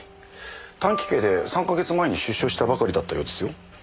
短期刑で３か月前に出所したばかりだったようですよ。